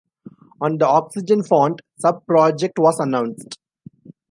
On the Oxygen Font sub-project was announced.